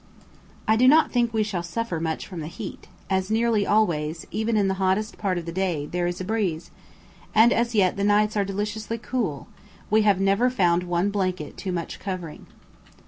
I do not think we shall suffer much from the heat, as nearly always, even in the hottest part of the day, there is a breeze; and as yet the nights are deliciously cool, we have never found one blanket too much covering.